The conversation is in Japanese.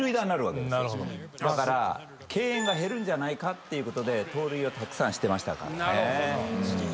だから敬遠が減るんじゃないかってことで盗塁をたくさんしてましたからね。